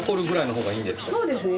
そうですね。